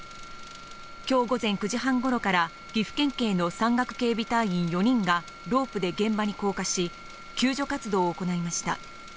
今日、午前９時半頃から岐阜県警の山岳警備隊員４人がロープで現場に降下し、救助活動を行いました。